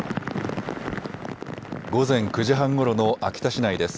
午前９時半ごろの秋田市内です。